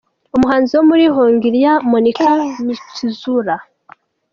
Umuhanzi wo muri Hongiriya, Monika Miczura a.